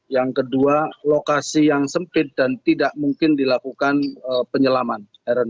yang kedua lokasi yang sempit dan tidak mungkin dilakukan penyelaman